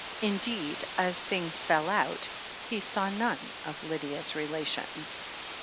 Indeed, as things fell out, he saw none of Lydia's relations.